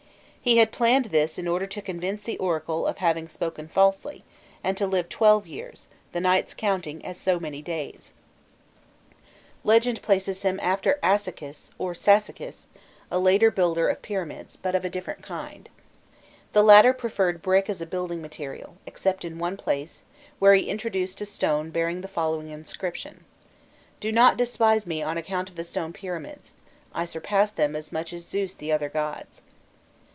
He had planned this in order to convince the oracle of having spoken falsely, and to live twelve years, the nights counting as so many days." Legend places after him Asychis or Sasychis, a later builder of pyramids, but of a different kind. The latter preferred brick as a building material, except in one place, where he introduced a stone bearing the following inscription: "Do not despise me on account of the stone pyramids: I surpass them as much as Zeus the other gods.